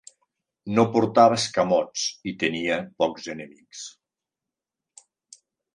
No portava escamots i tenia pocs enemics.